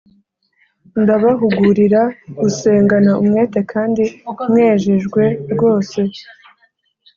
Ndabahugurira gusengana umwete kandi mwejejwe rwose